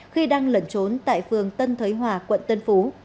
khi đang lẩn trốn tại phường tân thới hòa quận tân phú